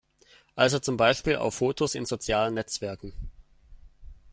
Also zum Beispiel auf Fotos in sozialen Netzwerken.